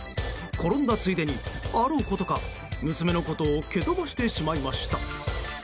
転んだついでに、あろうことか娘のことを蹴飛ばしてしまいました。